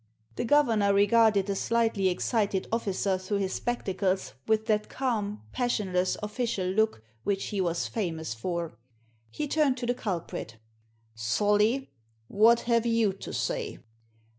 The governor regarded the slightly excited officer through his spectacles with that calm, passionless, official look which he was famous for. He turned to the culprit " Solly, what have you to say